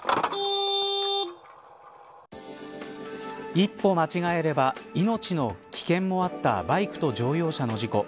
一歩間違えれば命の危険もあったバイクと乗用車の事故。